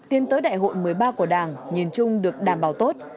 tiến tới đại hội một mươi ba của đảng nhìn chung được đảm bảo tốt